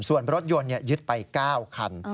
ส่วนรถยนต์ยึดไป๙คัน